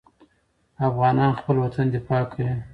افغانان خپل وطن دفاع کوي.